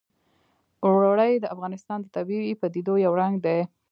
اوړي د افغانستان د طبیعي پدیدو یو رنګ دی.